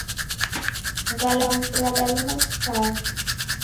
Ngalamvu radaluma kisaya.